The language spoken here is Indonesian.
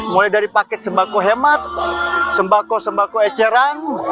mulai dari paket sembako hemat sembako sembako eceran